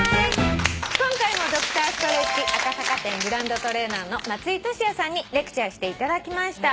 今回もＤｒ．ｓｔｒｅｔｃｈ赤坂店グランドトレーナーの松居俊弥さんにレクチャーしていただきました。